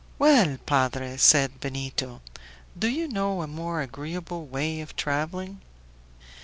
"Well, padre," said Benito, "do you know a more agreeable way of traveling?"